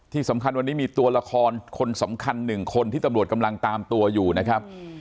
ที่สำคัญวันนี้มีตัวละครคนสำคัญ๑คนที่ตำรวจกำลังตามตัวอยู่นะครับ